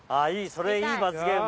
それいい罰ゲーム。